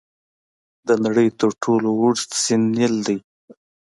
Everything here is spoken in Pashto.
د نړۍ تر ټولو اوږد سیند نیل دی.